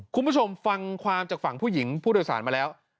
คุณผู้ชมฟังความจากฝั่งผู้หญิงผู้โดยสารมาแล้ว